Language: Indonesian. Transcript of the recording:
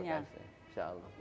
banyak stoknya pks ya